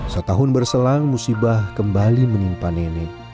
setahun berselang musibah kembali menimpa nenek